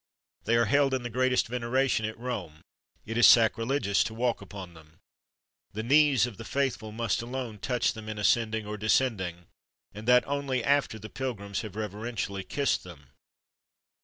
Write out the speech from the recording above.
They are held in the greatest veneration at Rome: it is sacrilegious to walk upon them. The knees of the faithful must alone touch them in ascending or descending, and that only after the pilgrims have reverentially kissed them.